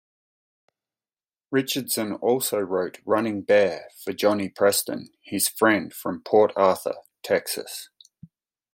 Richardson also wrote "Running Bear" for Johnny Preston, his friend from Port Arthur, Texas.